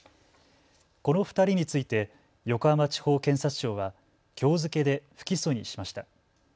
この２人について横浜地方検察庁はきょう付けで不起訴にしました。